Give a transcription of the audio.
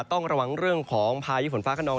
ต้องระวังเรื่องของพายุฝนฟ้าขนอง